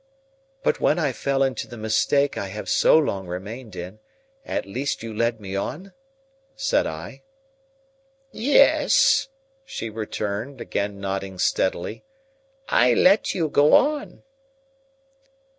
"But when I fell into the mistake I have so long remained in, at least you led me on?" said I. "Yes," she returned, again nodding steadily, "I let you go on."